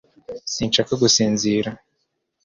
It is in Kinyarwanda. sinshaka gusinzira